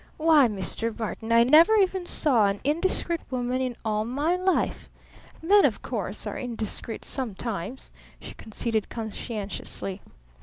Why, Mr. Barton, I never even saw an indiscreet woman in all my life. Men, of course, are indiscreet sometimes," she conceded conscientiously.